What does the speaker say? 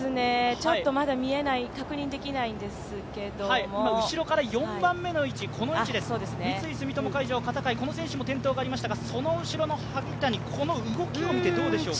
ちょっとまだ見えない、確認できないんですけれども、今、後ろから４番目の位置です、三井住友海上、片貝、この選手も転倒がありましたが、その後ろの萩谷、この動きを見てどうでしょうか？